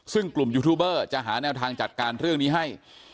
ซึ่งกลุ่มยูทูบเบอร์จะหาแนวทางจัดการเรื่องนี้ให้